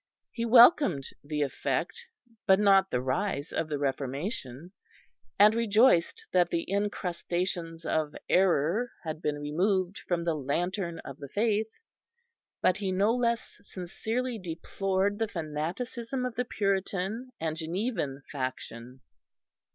He welcomed the effect but not the rise of the Reformation, and rejoiced that the incrustations of error had been removed from the lantern of the faith. But he no less sincerely deplored the fanaticism of the Puritan and Genevan faction.